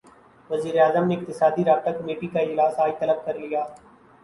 وزیراعظم نے اقتصادی رابطہ کمیٹی کا اجلاس اج طلب کرلیا